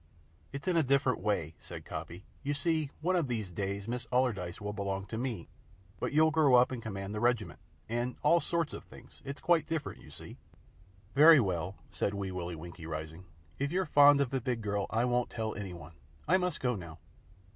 "It's in a different way," said Coppy. "You see, one of these days Miss Allardyce will belong to me, but you'll grow up and command the Regiment and all sorts of things. It's quite different, you see." "Very well," said Wee Willie Winkie, rising. "If you're fond of ve big girl, I won't tell any one. I must go now."